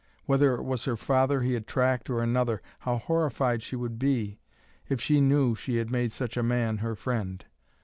Whether it was her father he had tracked or another, how horrified she would be if she knew she had made such a man her friend!